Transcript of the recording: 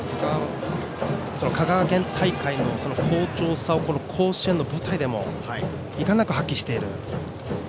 香川県大会の好調さを甲子園の舞台でもいかんなく発揮している。